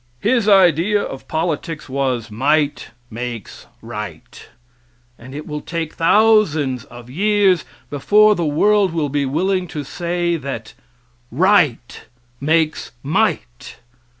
His idea of politics was, "Might makes right;" and it will take thousands of years before the world will be willing to say that, "Right makes might."